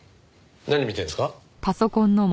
何見てるんですか？